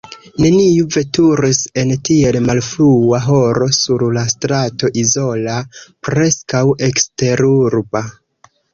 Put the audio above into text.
Neniu veturis en tiel malfrua horo sur la strato izola, preskaŭ eksterurba.